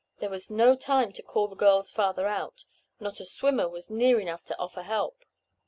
There was no time to call to the girls farther out. Not a swimmer was near enough to offer help!